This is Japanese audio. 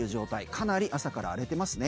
かなり朝から出てますね。